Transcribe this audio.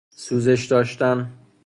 سوزش داشتن